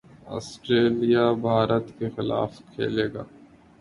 Australia Bharat کے خلاف کھیلے گا